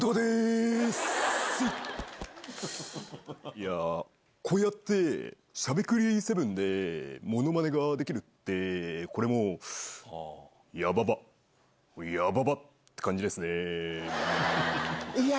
いや、こうやってしゃべくり００７でものまねができるって、これもう、やばば、やばばって感じですね。